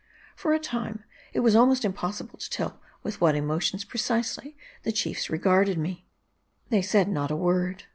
For a time, it was almost impossible to tell with what emotions precisely the chiefs were regarding me. They said not a word.